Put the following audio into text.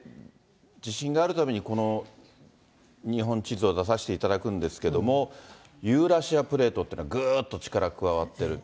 地震があるたびにこの日本地図を出させていただくんですけれども、ユーラシアプレートっていうのは、ぐーっと力が加わっている。